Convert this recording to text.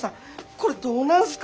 これどうなるんすか？